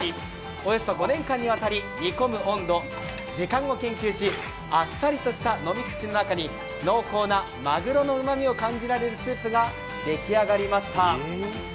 およそ５年間にわたり、煮込む温度、時間を研究し、あっさりとした飲み口の中に濃厚なまぐろのうまみを感じられるスープが出来上がりました。